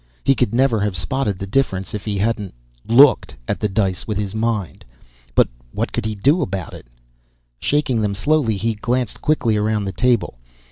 He could never have spotted the difference if he hadn't looked at the dice with his mind. But what could he do about it? Shaking them slowly he glanced quickly around the table.